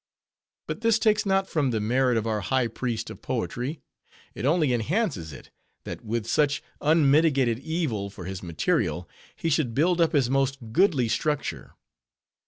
But this takes not from the merit of our high priest of poetry; it only enhances it, that with such unmitigated evil for his material, he should build up his most goodly structure.